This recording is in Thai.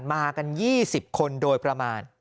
มากัน๒๐คนโดยประมาณ